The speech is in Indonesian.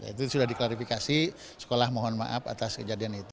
itu sudah diklarifikasi sekolah mohon maaf atas kejadian itu